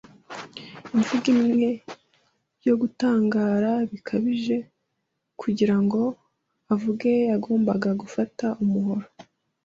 imvugo imwe yo gutangara bikabije. Kugirango avuge yagombaga gufata umuhoro